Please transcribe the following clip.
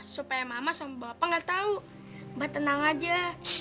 supaya mama sama bapak gak tahu mbah tenang aja